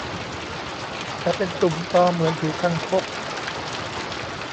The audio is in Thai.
แต่เป็นตุ่มตอเหมือนผิวคางคก